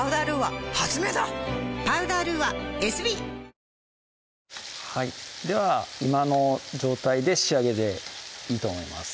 香ってきましたねでは今の状態で仕上げでいいと思います